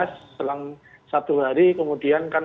selang satu hari kemudian kan